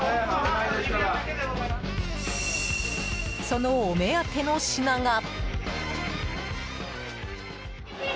そのお目当ての品が。